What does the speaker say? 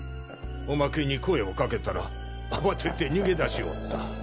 おまけに声を掛けたら慌てて逃げ出しおった。